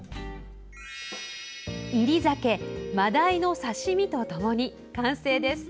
煎り酒マダイの刺身とともに完成です。